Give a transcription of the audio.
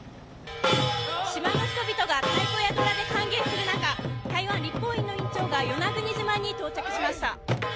島の人々が太鼓やドラで歓迎する中台湾立法院の院長が与那国島に到着しました。